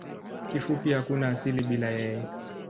Kifupi hakuna asili bila yeye.